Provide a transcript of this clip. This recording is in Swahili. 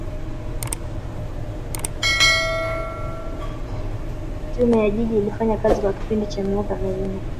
Tume ya Jiji ilifanya kazi kwa kipindi cha miaka minne